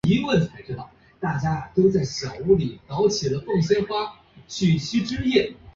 纳业湾遗址的历史年代为唐汪式。